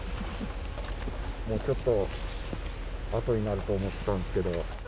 もうちょっと後になると思っていたんですけど。